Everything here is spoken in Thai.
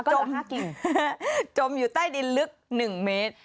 จมจมอยู่ใต้ดินลึก๑เมตรก็เหลือ๕กิ่ง